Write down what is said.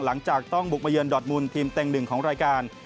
หลังจากต้องบุกมาเยือนดอดมูลทีมเต็งหนึ่งของรายการ